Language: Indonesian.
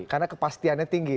karena kepastiannya tinggi